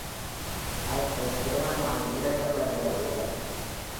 Acton திருமணமாகி இரண்டு குழந்தைகள் உள்ளனர்.